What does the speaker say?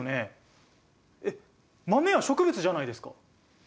えっ豆は植物じゃないですか。